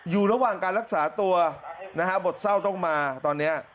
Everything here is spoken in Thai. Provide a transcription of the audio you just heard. อยู่ระหว่างการรักษาตัวนะฮะบทเศร้าต้องมาตอนนี้